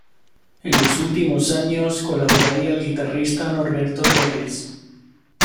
En los últimos años colaboraría el guitarrista Norberto Torres.